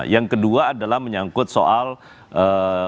yang kedua adalah menyangkut soal ee